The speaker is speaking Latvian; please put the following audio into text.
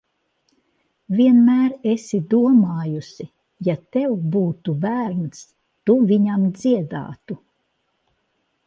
Vienmēr esi domājusi, ja tev būtu bērns, tu viņam dziedātu.